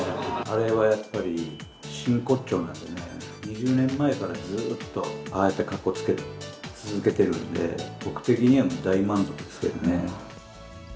あれはやっぱり真骨頂なんでね、２０年前からずーっと、ああやってかっこつけ続けてるんで、僕的には大満足ですけどね。